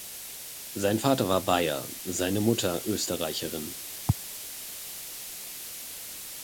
Sein Vater war Bayer, seine Mutter Österreicherin.